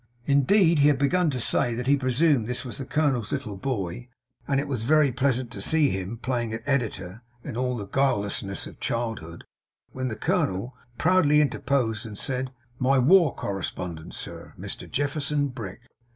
Indeed he had begun to say that he presumed this was the colonel's little boy, and that it was very pleasant to see him playing at Editor in all the guilelessness of childhood, when the colonel proudly interposed and said: 'My War Correspondent, sir Mr Jefferson Brick!